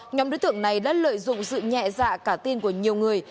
nhóm đối tượng này đã lợi dụng sự nhẹ dạ cả tin của nhiều người